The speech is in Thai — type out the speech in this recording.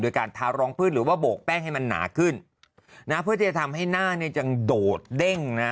โดยการทารองพืชหรือว่าโบกแป้งให้มันหนาขึ้นนะเพื่อที่จะทำให้หน้าเนี่ยจังโดดเด้งนะ